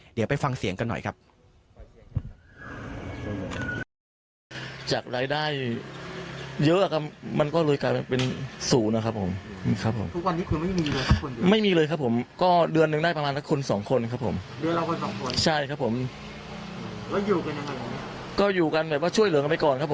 เดี๋ยวไปฟังเสียงกันหน่อยครับ